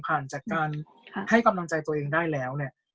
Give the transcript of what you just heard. ผ่านจากการให้กำลังใจตัวเองได้แล้วเนี่ย